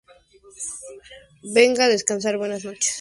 venga, a descansar. buenas noches, Ricardo.